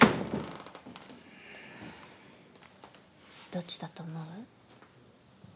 どっちだと思う？